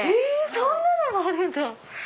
そんなのもあるんだ！